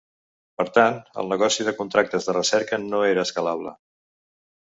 Per tant, el negoci de contractes de recerca no era escalable.